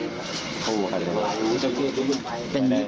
แล้วก็ผู้ไทยบ้าง